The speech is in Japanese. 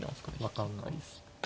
分かんないです。